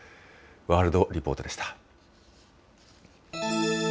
ワールドリポートでした。